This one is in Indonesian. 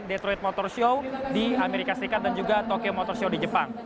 detroit motor show di amerika serikat dan juga tokyo motor show di jepang